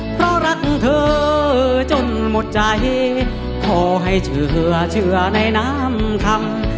เพราะรักเธอจนหมดใจขอให้เชื่อเชื่อในน้ำคำ